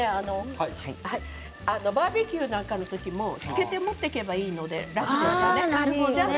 バーベキューなんかの時も漬けて持っていけばいいのでなるほどね。